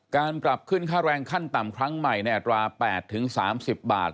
การปรับขึ้นค่าแรงขั้นต่ำครั้งใหม่ในอัตรา๘๓๐บาท